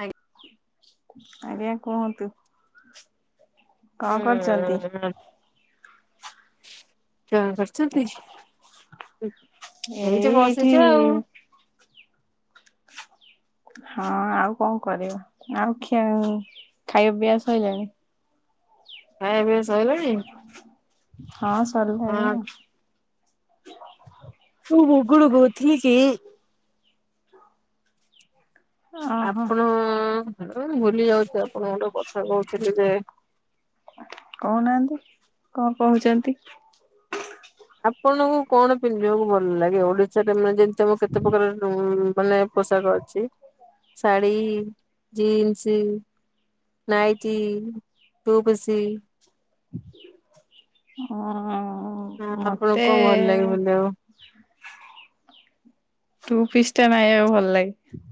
ଆଜ୍ଞା ଆଜ୍ଞା କୁହନ୍ତୁ। କଣ କରୁଚନ୍ତି? ଉଁ ଚା କରୁଛନ୍ତି। ଏଇ ହେଇଚି ଏଇଠି ବସିଚୁ ଆଉ। ହଁ ଆଉ କଣ କରିବା ଆଉ ଖିଆ ଖାଇବା ପିଇବା ସଇିଲାଣି। ଖାଇବା ପିଇବା ସଇଲାଣି? ହଁ ସରଲାଣି ଆଉ। ହ ଘୁଗୁଡ଼ୁ କହୁଥିଲି? କି ଓହୋ ଆପଣ ଭୁଲି ଯାଉଛି ଆପଣ ଗୋଟେ କଥା କହୁଥିଲେି ଯେ କହୁନାହାନ୍ତି କଣ କହୁଛନ୍ତି? ଆପଣଙ୍କୁ କଣ ପିନ୍ଧିବାକୁ ଭଲ ଲାଗେ ଓଡିଶାରେ ମାନେ ଯେ ତମ କେତେ ପ୍ରକାର ମାନେ ଅମ ପୋଷାକ ଅଛି? ଶାଢ଼ୀ ଜିନ୍ସ। ନାଇଟି ଟୁପୁସି। ହଁ। ହଁ ହଁ ଆପଣଙ୍କୁ ମତେ କଣ ଭଲ ଲାଗେ ପିନ୍ଧିବାକୁ? ଟୁପିଷ୍ ଟା ନାଇବାକୁ ଭଲ ଲାଗେ।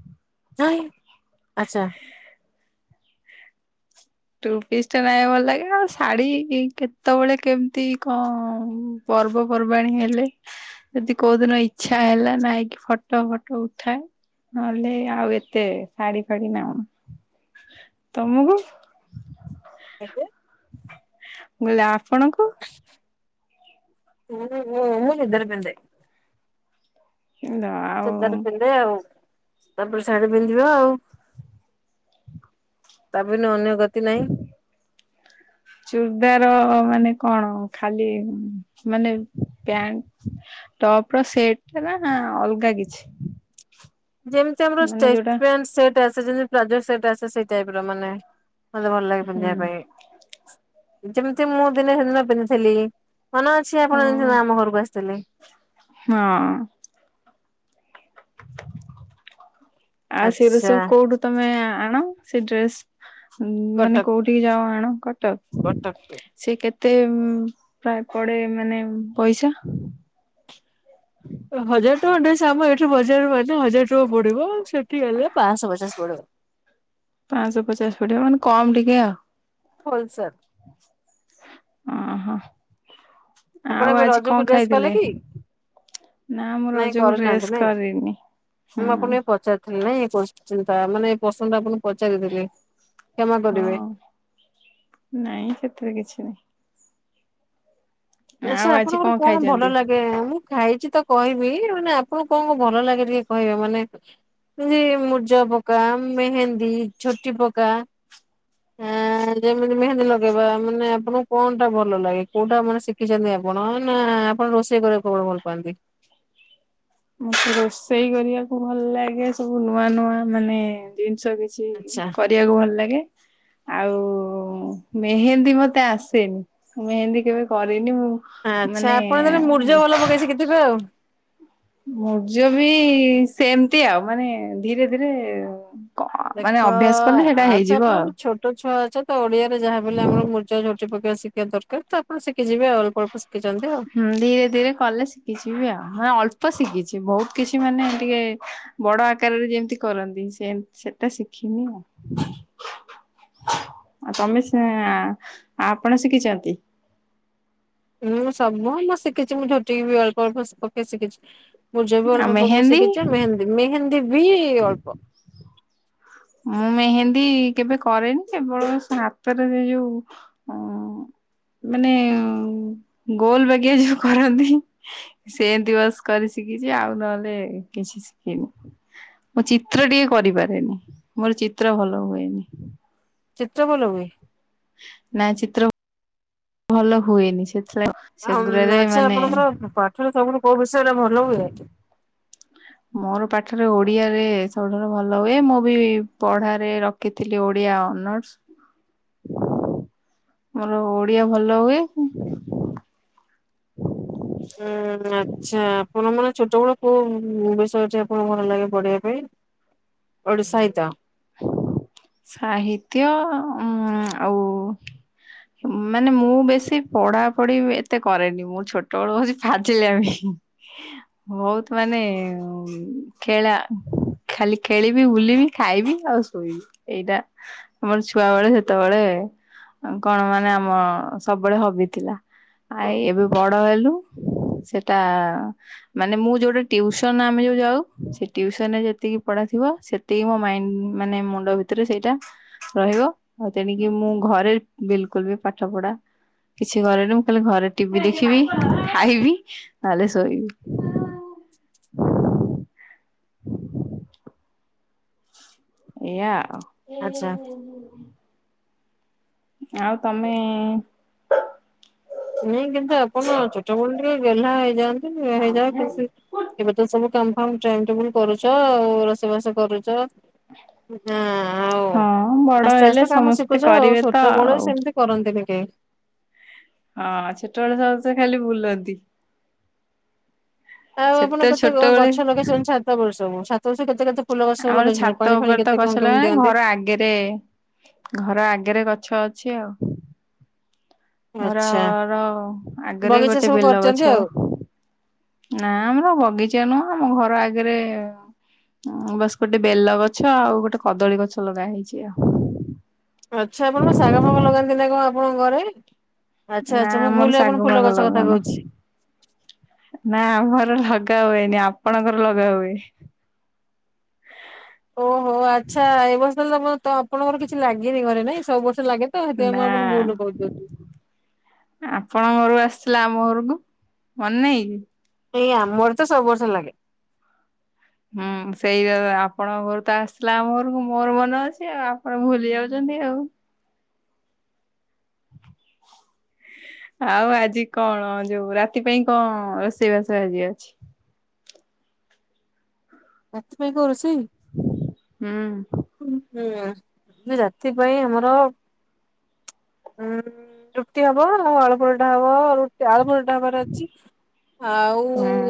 ହ ଆଛା। ଟୁପିସ୍ ଟା ନାଇଁ ଭଲ ଲାଗେ ଆଉ ଶାଢୀ କେତେବେଳେ କେମିତି କଣ? ପର୍ବପର୍ବାଣୀ ହେଲେ ଯଦି କୋଉ ଦିନ ଇଛା ହେଲା ନଇକି ଫଟୋ ଫଟୋ ଉଠାଏ। ନଲେ ଆଉ ଏତେ ଶାଢୀ ଫାଡି ନାଉ ତମକୁ? ଆଜ୍ଞା? ମୁକଲି ଆପଣଙ୍କୁ? ହୁଁ [unintelligible] ପିନ୍ଧେ। [unintelligible] ଚୁଦାର ପିନ୍ଧେ ଆଉ ତାପରେ ଶାଢୀ ପିନ୍ଧିବା ଆଉ। ତାବିନ ଅନ୍ୟ ଗତି ନାହିଁ। ଚୁର୍ଦାର ମାନେ କଣ ଖାଲି ମାନେ ପ୍ୟାଣ୍ଟ? ଟପ ର ସେଟ ଟା ନା ଅଲଗା କିଛି? ଜେମିତି ଆମର ମାନେ ଯୋଉଟା ଷ୍ଟେଟ ପ୍ୟାଣ୍ଟ ଆସେ ଯେମିତି ପ୍ଲାଯୋ ଟାଇପ ସେଟ ଆସେ ମାନେ ମତେ ଭଲ ଲାଗେ ହୁଁ ପିନ୍ଧିବା ପାଇଁ ଯେମିତି ମୁଁ ଦିନ ହେ ଦିନ ପିନ୍ଧିଥିଲି। କନ ଅଛି ହଁ ଆପଣ ଯେି ଆମ ଘରକୁ ଆସିଥିଲେ। ହଁ। ଆଉ ସେଡ ଆଚ୍ଛା ସବୁ କୋଉଠୁ ତମେ ଆଣ ସେ ଡ୍ରେସ ମାନେ କଟକ କୋଉଠିକି ଯାଅ ଆଣ କଟକ କଟକରୁ। ସେ କେତେ? ଏତେ ପ୍ରାୟ ପଡେ ମାନେ ପଇସା? ହଜାର ଟଙ୍କା ଡ୍ରେସ ଆମ ଏଇଠି ବଜାର ହଜାର ଟଙ୍କା ପଡିବ ସେଠି ହେଲେ ପାଁସ ପଚାଶ। ପଡିବ। ପାଁସ ପଚାଶ ପଡିଆ ମାନେ କମ ଟିକେ ଆଉ ହୋଲସେଲ। ଓହୋ ଆଉ ଆପଣ ଏବେ ଆଜି କଣ ରଜକୁ ଡ୍ରେସ୍ କଲେ ଖାଇଥିଲେ? କି? ନା ମୁଁ ନାଇଁ ରଜକୁ ଡ୍ରେସ୍ କରିନାହାନ୍ତି ନାଇଁ କରିନି ମୁଁ ହୁଁ ଆପଣ ଟିକ ପଚାରଥିଲି ନାଇଁ? ଚିନ୍ତା ମାନେ ପସନ୍ଦ ଆପଣଙ୍କୁ ପଚାରିଥିଲେ କ୍ଷମା ହଁ କରିବେ। ନାଇଁ ସେଥିରେ କିଛି ନାହିଁ। ଆଉ ଆଛା ଆଜି ଆପଣଙ୍କର କଣ ଭଲ ଖାଇଛନ୍ତି? ଲାଗେ ମୁଁ ଖାଇଛି ତ କହିବି ମାନେ ଆପଣଙ୍କୁ କଣ କ ଭଲ ଲାଗେ ଟିକେ କହିବେ ମାନେ ମୁର୍ଜା ପକା ମେହେନ୍ଦୀ ଝୋଟି ପକା [inaudible] ଯେମିତି ମେହେନ୍ଦୀ ଲଗେଇବା ମାନେ ଆପଣଙ୍କୁ କଣ ଟା ଭଲ ଲାଗେ କୋଉଟା ମାନେ ଶିଖିଛନ୍ତି ଆପଣ ନା ନା ଆପଣ ରୋଷେଇ କରିବାକୁ କେବଳ ଭଲ ପାଆନ୍ତି? [inaudible] ମତେ ରୋଷେଇ କରିବାକୁ ଭଲ ଲାଗେ ସବୁ ନୂଆ ନୂଆ ମାନେ ଜି ଜିନଷ କିଛି ଆଚ୍ଛା କରିବାକୁ ଭଲ ଲାଗେ ଆଉ ଓ ମେହେନ୍ଦୀ ମତେ ଆସେନି ମେହେନ୍ଦୀ କେବେ କରି ମୁଁ ଆଚ୍ଛା ମାନେ। ଆପଣ ତାହେଲେ ମୁର୍ଜ ଭଲ ପକେଇ ଶିଖିଥିବେ ଆଉ। ମୁରୁଜ ବି ସେମତି ଆଉ ମାନେ ଧୀରେ ଧୀରେ ମାନେ ଦେଖ ଅଭ୍ୟାସ କଲେ ସେଇଟା ଆଛା ହେଇଯିବ ଆପଣ ଆଉ। ଛୋଟ ଛୁଆ ଆଚ ତ ଓଡିଆରେ ଯାହାଲେ ଆମର ମୂରୁଜ ଝୋଟି ପକେଇବା ଶିଖିବା ଦରକାର ଆପଣ ଶିଖୀ ଯିବେ ଅଳ୍ପ ଅଳ୍ପ ସି ହୁଁ ଧୀରେ ଧୀରେ କଲେ ଶିଖିଯିବି ଆଉ ମାନେ ଅଳ୍ପ ଅଳ୍ପ ଶିଖିଚି ବୋହୁତ କିଛି ମାନେ ଟିକେ ବଡ ଆକାରରେ ଯେମିତି କରନ୍ତି ସେମି ସେଟା ଶିଖି ନି ଆଉ। ଆ ତମେ ସେ ଆପଣ ଶିଖିଚନ୍ତି? ମୁଁ ସବୁଁ ମୁଁ ଶିଖିଚି ମୁଁ ଝୋଟି ବି ଅଳ୍ପ ଅଳ୍ପ ଶି ପକେଇ ଶିଖିଚି। ମୁରୁଜ ବି ଆଉ ଅଳ୍ପ ପକେଇ ମେହେନ୍ଦୀ ଶିଖିଚି ମେହେନ୍ଦୀ ମେହେନ୍ଦୀ ବି ଅଳ୍ପ। ମୁଁ ମେହେନ୍ଦୀ କେବେ କରେନି କେବଳ ହାତରେ ଏଇ ଯୋଉ ଅଂ ମାନେ ଗୋଲ ବାଗିଆ ଯୋଉ କରନ୍ତି ସେମିତି ବାସ୍ କରି ଶି କିଚି ଆଉ ନହେଲେ କିଛି ଶିଖିନି ମୁଁ ଚିତ୍ର ଟିକେ କରିପାରେନି। ମୋର ଚିତ୍ର ଭଲ ହୁଏନି। ଚିତ୍ର ଭଲ ହୁଏ। ନାଇ ଚିତ୍ର ଭଲ ହୁଏନି ସେ ଆମ ଆଚ୍ଛା ଆପଣଙ୍କର ପାଠରେ ସବୁଠୁ କୋଉ ବିଷୟଟା ଭଲ ହୁଏ। ମୋର ପାଠରେ ଓଡିଆରେ ସବୁଠାରୁ ଭଲ ହୁଏ ମୁଁ ବି ପଢାରେ ରଖିଥିଲି ଓଡିଆ। ଅନର୍ସ। ମୋର ଓଡିଆ ଭଲ ହୁଏ। ହଁ ଆଚ୍ଛା ଆପଣ ମାନେ ଛୋଟବେଳ କୋଉ ବିଷୟଟା କଣ ଭଲ ଲାଗେ ପଢିବା ପାଇଁ? ଓଡି ସାହିତ୍ୟ ସାହିତ୍ୟ। ଉଁ ଆଉ ମାନେ ମୁଁ ବେଶୀ ପଢା ପଢି ଏତେ କରେନି ମୁଁ ଛୋଟ ବେଳୁ ହୋଉଚି ଫାଜିଲ୍ୟାମି। ବେହୁତ ମାନେ ଖେଳା ଖାଲି ଖେଳିବି ବୁଲିବି ଖାଇବି ଆଉ ଶୋଇବି ଏଇଟା ଆମର ଛୁଆ ବେଳେ ସେତେବେଳେ କଣ ମାନେ ଆମ ସବୁବେଳେ ହବି ଥିଲା ଆ ଏବେ ବଡ ହେଲୁ ସେଟା ମାନେ ମୁଁ ଯୋଉଟେ ଟିଉସନ ଆମେ ଯୋଉ ଯାଉ ସେ ଟିଉସନରେ ଯେତିକି ପଢ଼ା ଥିବ ସେତିକି ମୋ ମାଇଣ୍ଡ ମାନେ ମୁଣ୍ଡ ଭିତରେ ସେଇଟା ରହିବ ଆଉ ତେଣିକି ମୁଁ ଘରେ ବିଲକୁଲ ବି ପାଠ ପଢା କିଛି କରେନି ମୁଁ ଖାଲି ଘରେ ଟିଭି ଦେଖିବି ଖାଇବି ନହେଲେ ଶୋଇବି। [inaudible] ଏଇୟା ଆଉ। ଆଚ୍ଛା। ଆଉ ତମେ ନାଇଁ କିନ୍ତୁ ଆପଣ ଛୋଟ ବେଳ ଟିକେ ଗେହ୍ଲା ହେଇଯାଆନ୍ତି ହେଇଯାଅ କିନ୍ତୁ ଏବେ ତ ସବୁ କାମ ଫାମ ଟାଇମ୍ ଟେବୁଲ କରୁଚ ଆଉ ରୋଷେଇ ବାସ କରୁଚ। । ହଁ ବଡ ଆସ୍ତେ ହେଲେ ଆସ୍ତେ କାମ ସମସ୍ତେ ଶିଖୁଛ ଆଉ କରିବେ ଛୋଟ ତ ବେଳୁ ଆଉ। ସେମିତି [inaudible] ହଁ ଛୋଟବେଳେ ସବୁ ସେ ଖାଲି ବୁଲନ୍ତି। ଆଉ ଆପଣ ସେତେ କେତେ ଛୋଟବେଳେ ଗଛ ଲଗେଇଚନ୍ତି ଛାତ ଉପରେ ସବୁ ଛାତ ଉପରେ ସବୁ କେତେ କେତେ ଫୁଲ ଗଛ ସବୁ ଆମର ଲଗେଇଛନ୍ତି ଛାତ ପାଣି ଫାଣି ଉପରେ ତ କେତେ କଣ ଗଛ କେମିତି ଲଗା ଦିଅନ୍ତି ଘର ଆଗରେ ଘର ଆଗରେ ଗ ଛ ଅଛି ଆଉ। ଆଚ୍ଛା ଘରର ଆଗରେ ବଗିଚା ଗୋଟେ ସବୁ ବେଲ କରିଛନ୍ତି ଗଛ। ଆଉ। ନା ଆମର ବଗିଚା ନୁହଁ ଆମ ଘର ଆଗରେ ବାସ୍ ଗୋଟେ ବେଲ ଗଛ ଆଉ ଗୋଟେ କଦଳୀ ଗଛ ଲଗା ହେଇଚି ଆଉ। ମୋ ଘରେ [unintelligible] ଆଚ୍ଛା ନା ଆଚ୍ଛା ମୁଁ ଆମର ଭୁଲରେ ଆପଣ ଶାଗ ଫୁଲ ଫାଗ ଗଛ କଥା ଲଗାଉନା କହୁଛି। ନାଁ ଆମର ଲଗା ହୁଏନି ଆପଣଙ୍କର ଲଗା ହୁଏ। ଓହୋ ଆଚ୍ଛା ଏ ବର୍ଷ [unintelligible] ଆପଣଙ୍କର କିଛି ଲାଗିନି ଘରେ ନାଇଁ ସବୁ ବର୍ଷ ଲାଗେ ତ ହେଥିପାଇଁ ମୁଁ ନା ଆପଣଙ୍କୁ ଭୁଲ କହି ଦୋଉଥିଲି। ଆପଣଙ୍କ ଘରରୁ ଆସିଥିଲା ଆମ ଘରକୁ ମନେ ନାହିଁ କି? ଆମର ତ ସବୁ ବର୍ଷ ଲାଗେ। ହୁଁ ସେଇପା ଆପଣଙ୍କ ଘରୁ ତ ଆସିଲା ଆମ ଘରକୁ ମୋର ମନେ ଅଛି ଆଉ ଆପଣ ଭୁଲି ଯାଉଚନ୍ତି। ଦେ ଆଉ [unintelligible] ଆଉ ଆଜି କଣ ଯୋଉ ରାତି ପାଇଁ କଣ ରୋଷେଇବାସ ଆଜି ଅଛି? ଏଥିପାଇଁ କର ଅଛି [unintelligible] ହଁ ହୁଁ ରାତି ପାଇଁ ଆମର ଉଁ ରୁଟି ହବ ଆଉ ଆଳୁ ପରଟା ହବ ର ଆଳୁ ଅଛି ଆଉ ହୁଁ।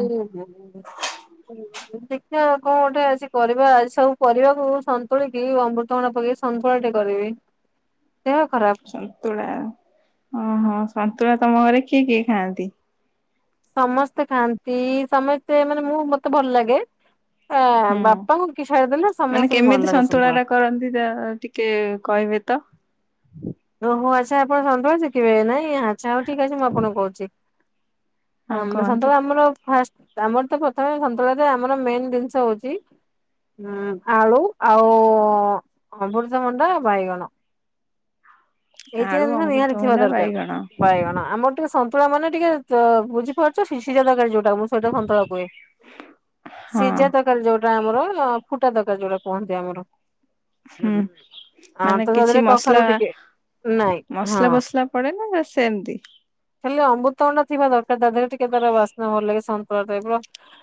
ନା କଣ ଉଠେ ଆସି କରିବା ସବୁ ପରିବାକୁ ଅମୃତଭଣ୍ଡା ପକେଇ ସନ୍ତୁଳା ଟେ କରିବି। ଦେହ ଖରାପ ସନ୍ତୁଳା ଓହୋ ସନ୍ତୁଳା ତମ ଘରେ କିଏ କିଏ ଖାଆନ୍ତି? ସମସ୍ତେ ଖାଆନ୍ତି ସମସ୍ତେ ମାନେ ମୁଁ ମତେ ଭଲ ଲାଗେ ଆ ହୁଁ ବାପାଙ୍କୁ କି ଛାଡିଦେଲେ ମାନେ ସମସ୍ତଙ୍କୁ ଭଲ କେମିତି ଲାଗେ ସନ୍ତୁଳା ଟା କରନ୍ତି ତା ଟିକେ କହିବେ ତ? ଁ [inaudible] ଓହୋ ଆଚ୍ଛା, ଆପଣ ସନ୍ତୁଳା ଶିଖିବେ ନାଇଁ, ଆଚ୍ଛା, ହଉ ଠିକ ଅଛି, ମୁଁ ଆପଣଙ୍କୁ କହୁଛି ହଁ କୁହନ୍ତୁ ସନ୍ତୁଳା ଆମର ଫା ଆମର ତ ପ୍ରଥମେ ସନ୍ତୁଳା ଆମର ମେନ୍ ଜିନିଷ ହଉଛି ହୁଁ ଆଳୁ, ଆଉ ଅମୃତ ଭଣ୍ଡା ବାଇଗଣ ହ [inaudible] ଏଇଥି ଜିନିଷ ନିହାତି ଥିବା ଦରକାର ବାଇଗଣ ଆମର ଟିକେ ସନ୍ତୁଳା ମାନେ ଟିକେ ତ ବୁଝିପାରୁଛ ସିଝା ତରକାରୀ ଯୋଉଟା ମୁଁ ସେଇଟା ସନ୍ତଳା କୁହେ ହଁ ସିଝା ତରକାରୀ ଯୋଉଟା ଫୁଟା ଆମର ଫୁଟା ତରକାରୀ ଯୋଉଟା କୁହନ୍ତି ଆମର ହୁଁ ଆ ମାନେ ତ କିଛି ଦିହେରେ ମସଲା କଖାରୁ ଟିକେ ନାଇଁ ହଁ। ମସଲା ଫସଲା ପଡେ ନା ସେମିତି? ହେଲେ ଅମୃତ ଭଣ୍ଡା ଥିବା ଦରକାର ତା ଦେହରେ ଟିକେ ତର ବାସ୍ନା ଭଲ ଲାଗେ ସନ୍ତୁଳା ଟାଇପ ର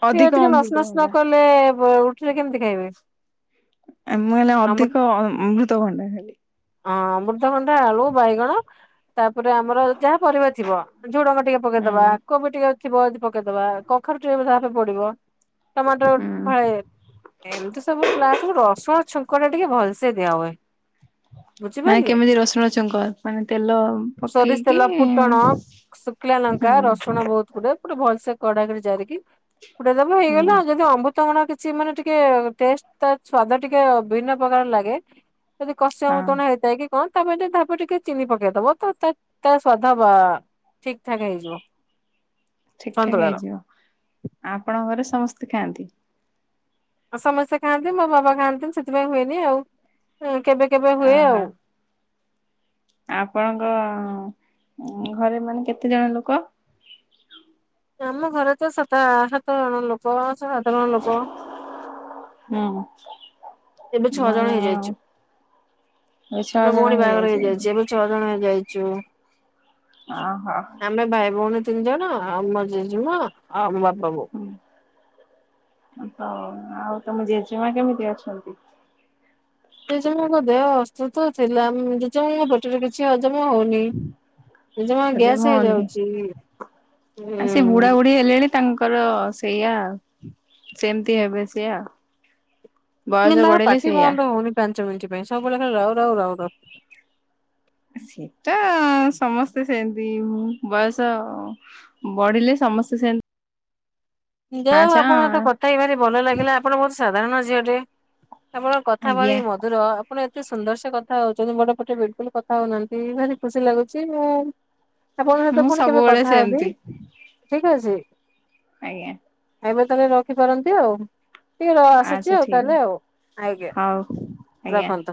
ଅଧିକ ଟିକେ ନସନସ ନ ଅମୃତଭଣ୍ଡା। କଲେ ଉଠିଲେ କେମିତି ଖାଇବେ ଆ ମୁ ହେଲେ ଆମ୍ବ ଅଧିକ ଅମୃତ କଣ୍ଡାଖାଲି ହଁ ଅମୃତଭଣ୍ଡା, ଆଳୁ, ବାଇଗଣ ତାପରେ ଆମର ଯାହା ପରିବା ଥିବ ଝୁଡଙ୍ଗ ଟିକେ ହୁଁ ପକେଇଦବା କୋବି ଟିକେ ଥିବ ଆ ପକେଇଦବା କଖାରୁ ଟିକେ ଯାହାବିହେଲେ ପଡିବ ଟମାଟୋ ହୁଁ ଫାଳେ ଏମିତି ସବୁ ସବୁ ରସଣ ଛୁଙ୍କ ଟିକେ ଭଲସେ ଦିଆ ହୁଏ ମାନେ ବୁଝିପାରିଲେ କେମିତି ରସୁଣ ଛୁଙ୍କ ମାନେ ତେଲ ସୋରିଷ ପକେଇକି ତେଲ, ଫୁଟଣ, ଶୁଖିଲା ଲଙ୍କା, ହୁଁ ରସୁଣ ବହୁତ ଗୁଡେ ଗୋଟେ ଭଲସେ କଡାକରେ ଜାରିକି ପୁଟେ ଦବ ହେଇଗଲା ହୁଁ ଆଉ ଯଦି ଅମୃତ ତ କିଛି ମାନେ ଟିକେ ଟେଷ୍ଟ ତା ସ୍ଵାଦ ଟିକେ ବିଭିନ୍ନ ପ୍ରକାର ଲାଗେ ଯଦି କସ୍ୟ ହଁ ମୁତନ ହେଇଥାଏ କି [unintelligible] ତାପ ଯ ଧପ ଟିକେ ଚିନି ପକେଇଦବ ତ ତା ସ୍ଵାଦ ବା ଠିକଠାକ ହେଇଯିବ। ଠିକ ଠାକ ସନ୍ତୁଳାର। ହେଇଯିବ ଆପଣଙ୍କ ଘରେ ସମସ୍ତେ ଖାଆନ୍ତି? ସମସ୍ତେ ଖାଆନ୍ତି ମୋ ବାବା ଖାଆନ୍ତିନି, ସେଥିପାଇଁ ହୁଏନି ଆଉ କେବେ କେବେ ହୁଏ ଓହୋ ଆଉ ଆପଣଙ୍କ ଘରେ ମାନେ କେତେ ଜଣ ଲୋକ? ଆମ ଘରେ ତ ସତ ସାତ ଜଣ ଲୋକ। ହୁଁ ଏବେ ଛଅ ଜଣ ମାନେ ହେଇଯାଇଛୁ। ଛଅ ଜଣ ଭଉଣୀ ବାହାଘର ହେଇଯାଇଛନ୍ତି ହେଇଯାଇଛି। ଏବେ ଛଅ ଜଣ ହେଇ ଯାଇଛୁ ଓ ହୋ ତିଞ୍ଜଣ ଆଉ ମୋ ଜେଜମା ଆଉ ମୋ ବାପା ବୋଉ। ହଉ ଆଉ ତମ ଜେଜେମା କେମିତି ଅଛନ୍ତି? ଜେଜେମାଙ୍କ ଦେହ ଅସ୍ତୁତ ଥିଲା ଜେଜେମାଙ୍କ ପେଟରେ କିଛି ଜମା ହଉନି ଜମା ଗ୍ୟାସ୍ ହେଇଯାଉଛି। ଆଉ ସେ ବୁଢା ହୁଁ ବୁଢୀ ହେଲେଣି ତାଙ୍କର ସେଇଆ ସେମିତି ହେବେ ସେ ଏ ତାଙ୍କର ପାଟି ବନ୍ଦ ହଉନି ପାଞ୍ଚ ମିଣ୍ଟି ପାଇଁ ସବୁବେଳେ ଖାଲି ରାଉ ରାଉ ରାଉ ରାଉ। ସେଟା ସମସ୍ତେ ସେମତି ବୟସ ବଢିଲେ ସମସ୍ତେ ସେ ଯା ହେଉ ଆପଣଙ୍କ ତ କଥା ହେଇ ଭାରି ଭଲ ଲାଗିଲା ଆପଣ ବହୁତ ସାଧାରଣ ଝିଅଟେ। ଆପଣ କଥା ଭାରି ଆଜ୍ଞା ମଧୁର। ଆପଣ ଏତେ ସୁନ୍ଦର ସେ କଥା ହଉଛନ୍ତି ବଡ଼ ପାଟିରେ ବିଲକୁଲ କଥା ହଉନାହାନ୍ତି ଭାରି ଖୁସି ଲାଗୁଚି, ମୁଁ ଆପଣଙ୍କ ସହିତ ମୁଁ ପୁଣି କେବେ ସବୁବେଳେ କଥା ହେବି ସେମିତି। ଠିକ ଅଛି। ଆଜ୍ଞା। ଏବେ ତାହେଲେ ରଖିପାରନ୍ତି ଆଉ। ଟିକେ ର ଆସୁଛି ଆଚ୍ଛା ଆଉ ତାହେଲେ ଆଉ ଆଜ୍ଞା ଠିକ ହଉ ଆଜ୍ଞା। [inaudible] ରଖନ୍ତୁ।